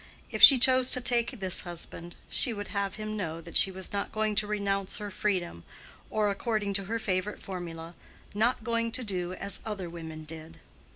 If she chose to take this husband, she would have him know that she was not going to renounce her freedom, or according to her favorite formula, "not going to do as other women did."